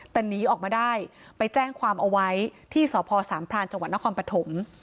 แต่หนีออกมาได้ไปแจ้งความเอาไว้ที่สพสามพรานจังหวัดนครปฐม